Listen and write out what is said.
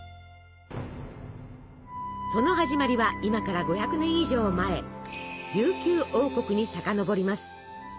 その始まりは今から５００年以上前琉球王国にさかのぼります。